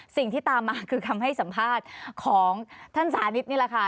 สิ่งที่ตามมาคือคำให้สัมภาษณ์ของท่านสานิทนี่แหละค่ะ